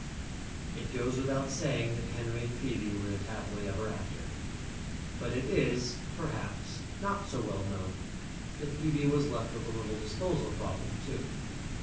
It goes without saying that Henry and his Phoebe lived happily ever after, but it is perhaps not so well known that Phoebe was left with a little disposal problem, too.